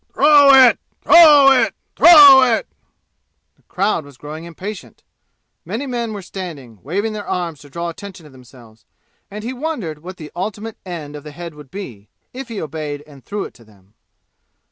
"Throw it! Throw it! Throw it!" The crowd was growing impatient. Many men were standing, waving their arms to draw attention to themselves, and he wondered what the ultimate end of the head would be, if he obeyed and threw it to them.